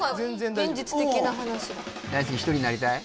大輔１人になりたい？